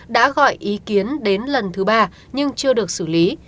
đã gọi ý kiến đến lần thứ ba nhưng chưa được xử lý